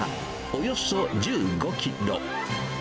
およそ１５キロ。